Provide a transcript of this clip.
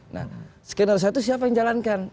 nah skenario satu siapa yang jalankan